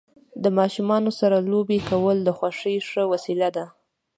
د ماشومانو سره لوبې کول د خوښۍ ښه وسیله ده.